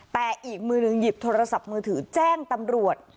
แต่อีกมือหนึ่งหยิบโทรศัพท์มือถือแจ้งตำรวจ